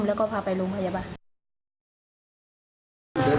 แล้วก็พาไปโรงพยาบาล